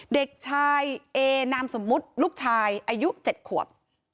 เด็กชายเอนามสมมุติลูกชายอายุ๗ขวบ